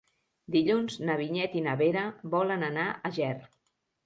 Dilluns na Vinyet i na Vera volen anar a Ger.